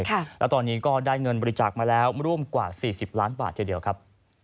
แล้วตอนนี้ก็ได้เงินบริจาคมาแล้วร่วมกว่า๔๐ล้านบาททีเดียวครับ